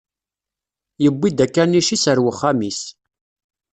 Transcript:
Yewwi-d akanic-is ar wexxam-is.